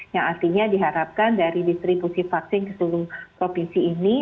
yang artinya diharapkan dari distribusi vaksin ke seluruh provinsi ini